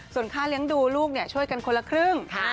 ส่วนค่าเลี้ยงดูลูกช่วยกันคนละครึ่ง